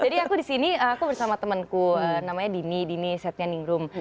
jadi aku disini aku bersama temenku namanya dini dini setnya ningrum